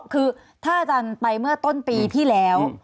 คือถ้าอาจารย์ไปเมื่อต้นปีที่แล้ว